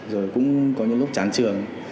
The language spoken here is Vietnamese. rồi cũng có những lúc chán trường